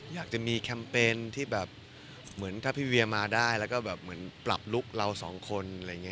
อยากจะมีแคมเปญที่แบบเหมือนถ้าพี่เวียมาได้แล้วก็แบบเหมือนปรับลุคเราสองคนอะไรอย่างนี้